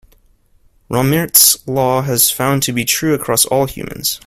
Rohmert's law has been found to be true across all humans.